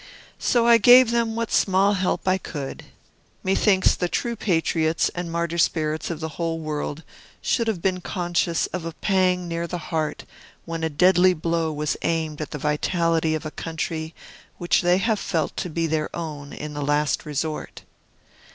So I gave them what small help I could. Methinks the true patriots and martyr spirits of the whole world should have been conscious of a pang near the heart, when a deadly blow was aimed at the vitality of a country which they have felt to be their own in the last resort.